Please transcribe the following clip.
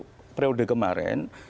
nah periode kemarin